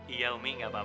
iya tolong duduk